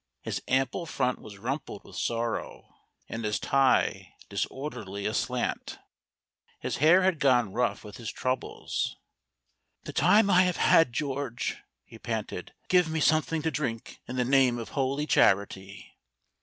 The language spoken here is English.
His ample front was rumpled with sorrow and his tie disorderly aslant. His hair had gone rough with his troubles. "The time I have had, George!" he panted. "Give me something to drink in the name of Holy Charity."